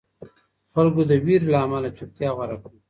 خلکو د وېرې له امله چوپتیا غوره کړه.